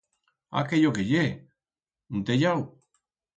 Aquello qué ye, un tellau?